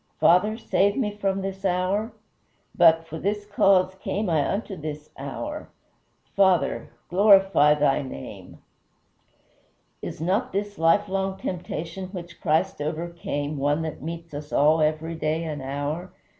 Father, save me from this hour? But, for this cause came I unto this hour; Father, glorify thy name!" Is not this lifelong temptation which Christ overcame one that meets us all every day and hour?